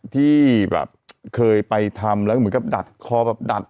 ที่แบบเคยไปทำแล้วก็เหมือนกับดัดคอแบบดัด